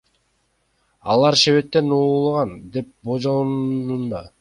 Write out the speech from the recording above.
Алар шербеттен ууланган деп болжолдонууда.